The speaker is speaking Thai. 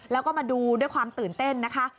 แล้วก็มาดูด้วยความตื่นเต้นนะคะ